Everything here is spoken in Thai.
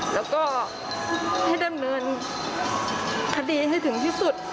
แล้วก็ให้ดำเนินคดีให้ถึงที่สุด